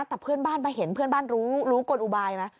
แต่เพื่อนบ้านมาเห็นเพื่อนบ้านรู้กลอุบายไหม